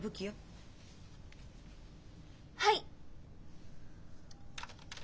はい！